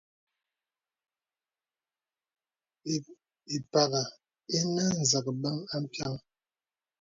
Ì pàghā ìnə nzəbəŋ à mpiaŋ.